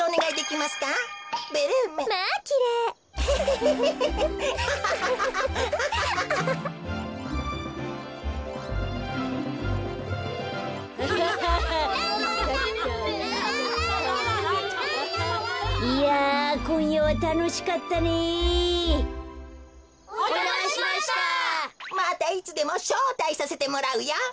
またいつでもしょうたいさせてもらうよ。